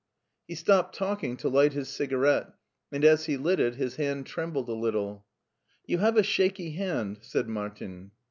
He stopped talking to light his cigarette, and as he lit it his hand trembled a little. " You have a shaky hand," said Martin.